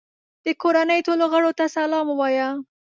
د کورنۍ ټولو غړو ته سلام ووایه.